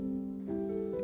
dan penerang kehidupan keluarga